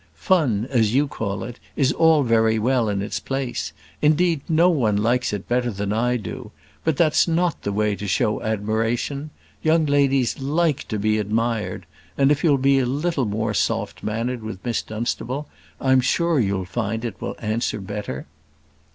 Fun, as you call it, is all very well in its place. Indeed, no one likes it better than I do. But that's not the way to show admiration. Young ladies like to be admired; and if you'll be a little more soft mannered with Miss Dunstable, I'm sure you'll find it will answer better."